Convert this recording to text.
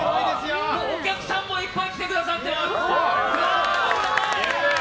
お客さんもいっぱい来てくださいって。